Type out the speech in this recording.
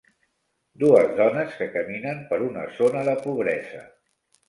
Dues dones que caminen per una zona de pobresa.